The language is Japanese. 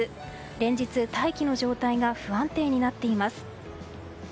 連日、大気の状態が不安定になっています。